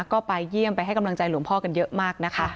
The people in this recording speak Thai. ก็ไปเยี่ยมไปให้กำลังใจหลวงพ่อกันเยอะมากนะคะ